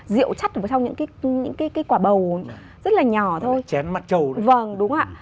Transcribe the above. giờ bia rượu